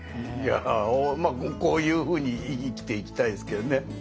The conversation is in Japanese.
いやこういうふうに生きていきたいですけどね。